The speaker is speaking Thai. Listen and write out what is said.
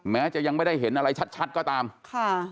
แม้จะยังไม่ได้เห็นอะไรชัดชัดก็ตามค่ะ